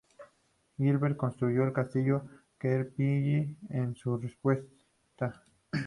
Gilbert construyó el castillo Caerphilly en respuesta.